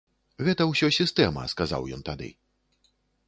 Гэта ўсё сістэма, сказаў ён тады.